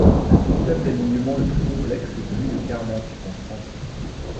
Le système d'alignements le plus complexe est celui de Carnac, en France.